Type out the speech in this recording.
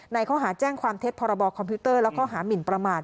ข้อหาแจ้งความเท็จพรบคอมพิวเตอร์และข้อหามินประมาท